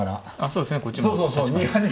そうですねこっちも確かに。